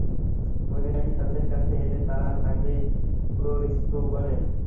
মহিলাটি তাদের কাছে এলে তারা তাকে প্ররোচিত করে।